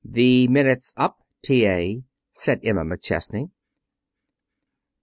"The minute's up, T.A.," said Emma McChesney.